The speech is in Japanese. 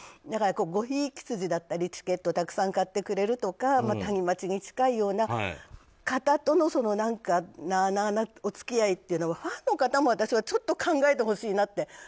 だからごひいき筋だったりチケットいっぱい買ってくれるとかタニマチに近いような方とのなあなあなお付き合いというのはファンの方も私はちょっと考えてほしいなって